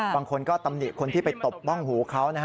บางคนก็ตำหนิคนที่ไปตบบ้องหูเขานะฮะ